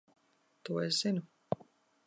To es zinu.